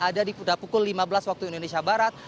ada di pukul lima belas waktu indonesia barat